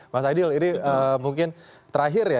mas adil ini mungkin terakhir ya